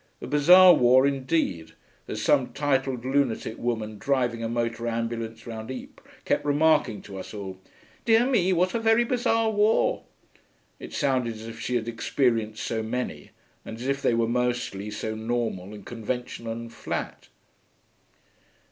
A bizarre war indeed, as some titled lunatic woman driving a motor ambulance round Ypres kept remarking to us all. 'Dear me, what a very bizarre war!' It sounded as if she had experienced so many, and as if they were mostly so normal and conventional and flat.'